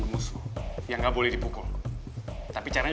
semuanya harus ternyata